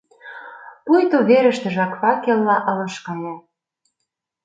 Пуйто верыштыжак факелла ылыж кая.